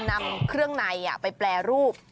นำเครื่องในไปแปรรูป